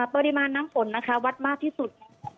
ปริมาณน้ำฝนนะคะวัดมากที่สุด